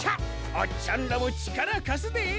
おっちゃんらもちからかすで！